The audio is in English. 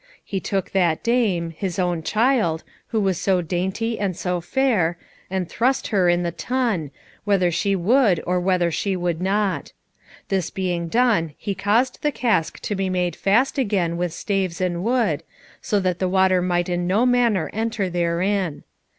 He took that dame, his own child, who was so dainty and so fair, and thrust her in the tun, whether she would or whether she would not. This being done he caused the cask to be made fast again with staves and wood, so that the water might in no manner enter therein.